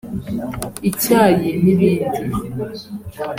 icyayi n’ibindi